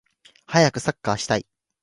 はやくサッカーをしたい